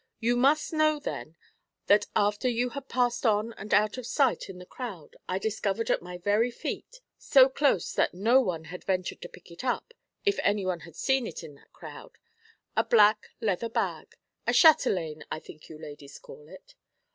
You must know, then, that after you had passed on and out of sight in the crowd I discovered at my very feet so close that no one had ventured to pick it up, if anyone had seen it in that crowd a black leather bag a chatelaine, I think you ladies call it.'